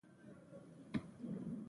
قهوه څنګه جوړیږي؟